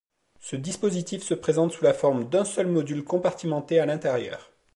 Ce dispositif se présente sous la forme d'un seul module compartimenté à l'intérieur.